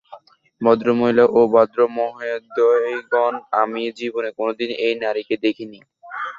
ভদ্রমহিলা এবং ভদ্রমহোদয়গণ, আমি জীবনে কোনোদিন এই নারীকে দেখিনি।